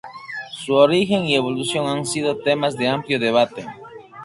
Su origen y evolución han sido temas de amplio debate.